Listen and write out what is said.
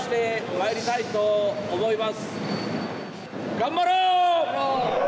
頑張ろう。